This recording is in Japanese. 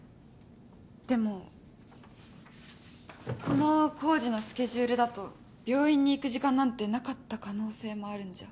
でもこの工事のスケジュールだと病院に行く時間なんてなかった可能性もあるんじゃ。